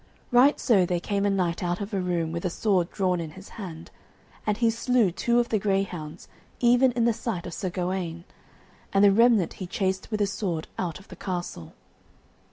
Right so there came a knight out of a room, with a sword drawn in his hand, and he slew two of the greyhounds even in the sight of Sir Gawaine, and the remnant he chased with his sword out of the castle.